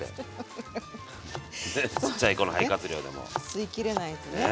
吸いきれないとね